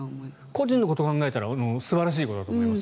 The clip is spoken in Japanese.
個人のことを考えたら素晴らしいことだと思います。